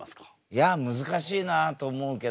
いや難しいなあと思うけど。